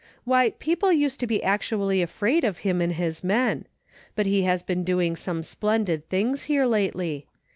Why, people used to be actually afraid of him and his men. But he has been doing some splendid things here lately.